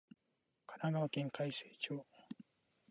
神奈川県開成町